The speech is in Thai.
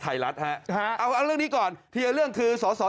เพื่อไม่ให้ผมเป็นลูกตาฟื้นหรือตาฟื้นเท่านั้น